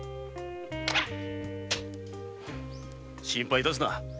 心配致すな。